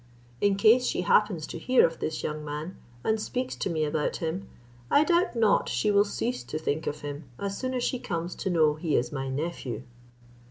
In case she happens to hear of this young man, and speaks to me about him, I doubt not she will cease to think of him, as soon as she comes to know he is my nephew."